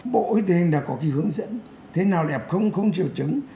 bộ hướng dẫn đã có cái hướng dẫn thế nào là f không triệu chứng